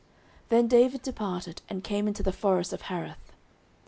Then David departed, and came into the forest of Hareth.